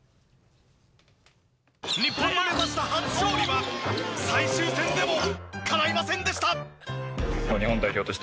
日本の目指した初勝利は最終戦でもかないませんでした。